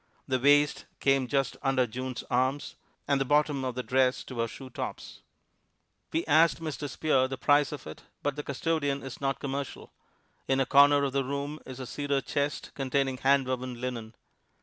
The waist came just under June's arms, and the bottom of the dress to her shoe tops. We asked Mr. Spear the price of it, but the custodian is not commercial. In a corner of the room is a cedar chest containing hand woven linen.